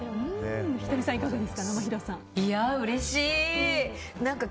仁美さん、いかがですか？